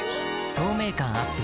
透明感アップ